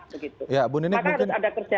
maka harus ada kerjasama di sini